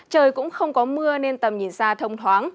trời cũng không có mưa nên tầm nhìn xa thông thoáng